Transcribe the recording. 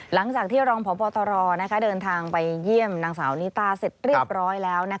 หลังจากที่รองพบตรเดินทางไปเยี่ยมนางสาวนิตาเสร็จเรียบร้อยแล้ว